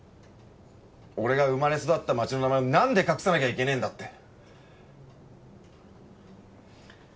俺が生まれ育った町の名前を何で隠さなきゃいけねえんだって。